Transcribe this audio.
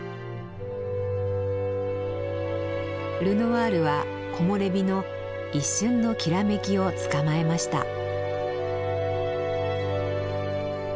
ルノワールは木漏れ日の一瞬のきらめきをつかまえました。